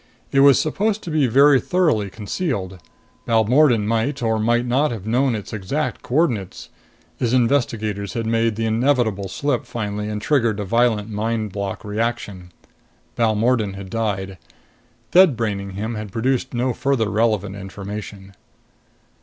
It was supposed to be very thoroughly concealed. Balmordan might or might not have known its exact coordinates. His investigators made the inevitable slip finally and triggered a violent mind block reaction. Balmordan had died. Dead braining him had produced no further relevant information.